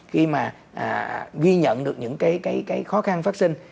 khi mà ghi nhận được những cái khó khăn vaccine